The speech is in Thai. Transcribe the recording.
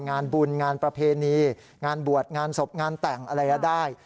งานบุญงานประเพณีงานบวชงานศพงานแต่งอะไรก็ได้